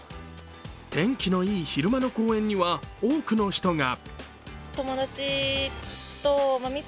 天気のいい昼間の公園には多くの人が。